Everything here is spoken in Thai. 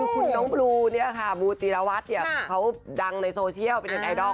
คือน้องบลุวบูจีรวัตเขาดังในโซเชียลเป็นไอดอล